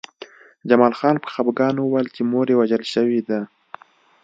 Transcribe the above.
جمال خان په خپګان وویل چې مور یې وژل شوې ده